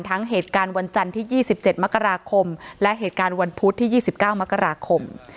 เหตุการณ์วันจันทร์ที่๒๗มกราคมและเหตุการณ์วันพุธที่๒๙มกราคม